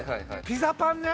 ピザパンね。